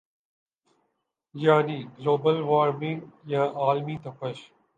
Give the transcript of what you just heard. یعنی global warming یا عالمی تپش